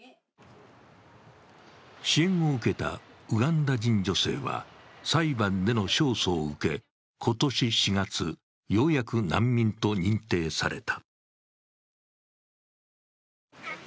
支援を受けたウガンダ人女性は裁判での勝訴を受け、今年４月、ようやく難民と認定された。